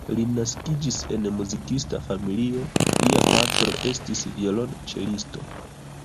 Li naskiĝis en muzikista familio, lia patro estis violonĉelisto.